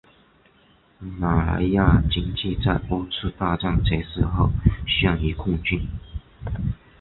马来亚经济在二次大战结束后陷于困境。